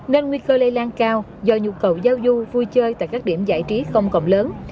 nguy cơ lây lan cao do nhu cầu giao du vui chơi tại các điểm giải trí công cộng lớn